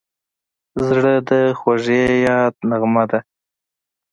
زړه د خوږې یاد نغمه ده.